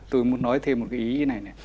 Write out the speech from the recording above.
tôi muốn nói thêm một cái ý như này này